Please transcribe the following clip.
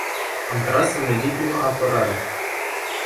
Am tras în legitimă apărare.